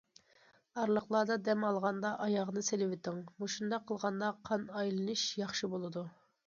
ئارىلىقلاردا دەم ئالغاندا ئاياغنى سېلىۋېتىڭ، مۇشۇنداق قىلغاندا قان ئايلىنىش ياخشى بولىدۇ.